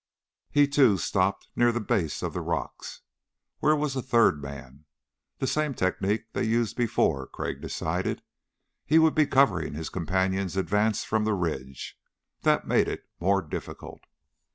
He, too, stopped near the base of the rocks. Where was the third man? The same technique they used before, Crag decided. He would be covering his companions' advance from the ridge. That made it more difficult.